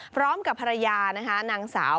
พร้อมกับภรรยานางสาว